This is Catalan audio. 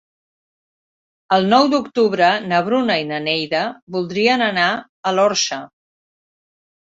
El nou d'octubre na Bruna i na Neida voldrien anar a l'Orxa.